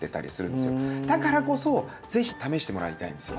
だからこそぜひ試してもらいたいんですよ。